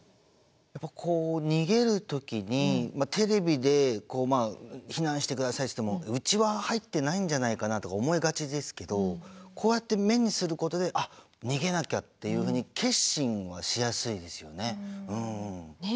やっぱこう逃げる時にテレビで避難して下さいって言ってもうちは入ってないんじゃないかなとか思いがちですけどこうやって目にすることで「あっ逃げなきゃ」っていうふうに決心はしやすいですよね。